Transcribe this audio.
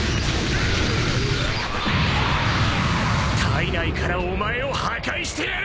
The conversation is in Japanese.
体内からお前を破壊してやる！